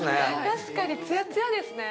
確かにつやつやですね